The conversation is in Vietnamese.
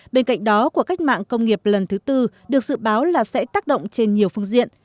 bên cạnh đó cuộc cách mạng công nghiệp lần thứ tư được dự báo là sẽ tác động trên nhiều phương diện